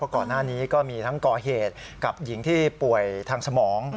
ก่อนหน้านี้ก็มีทั้งก่อเหตุกับหญิงที่ป่วยทางสมอง